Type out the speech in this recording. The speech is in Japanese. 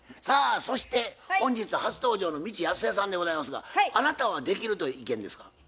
さあそして本日初登場の未知やすえさんでございますがあなたはできるという意見ですか？